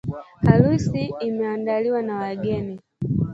Harusi imeandaliwa na wageni